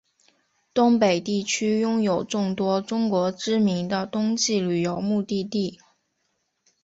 东北地区拥有众多中国知名的冬季旅游目的地。